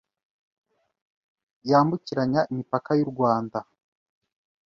yambukiranya imipaka y’u rwanda